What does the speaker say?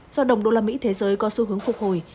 do đồng usd thế giới có xu hướng phục hồi